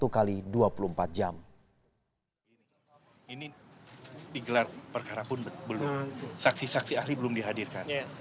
ini digelar perkara pun belum saksi saksi ahli belum dihadirkan